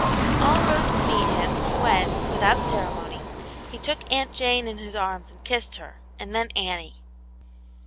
All rose to meet him, when, without ceremony, he took Aunt Jane in his arms and kissed her, and then Annie.